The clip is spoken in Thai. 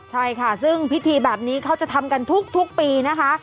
ใช่ค่ะซึ่งพิธีแบบนี้เขาจะทำกันทุกปีนะคะ